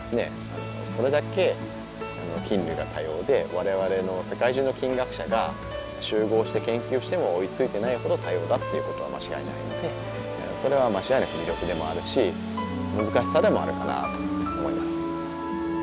それだけ菌類が多様で我々の世界中の菌学者が集合して研究しても追いついていないほど多様だっていうことは間違いないのでそれは間違いなく魅力でもあるし難しさでもあるかなと思います。